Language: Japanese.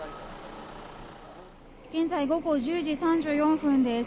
現在、午後１０時３４分です。